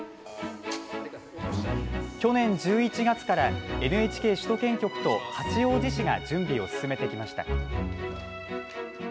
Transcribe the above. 去年１１月からＮＨＫ首都圏局と八王子市が準備を進めてきました。